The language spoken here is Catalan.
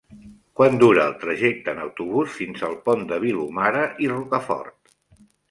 Quant dura el trajecte en autobús fins al Pont de Vilomara i Rocafort?